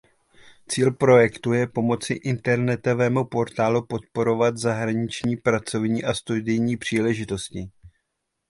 Cíl projektu je pomocí internetového portálu podporovat zahraniční pracovní a studijní příležitosti.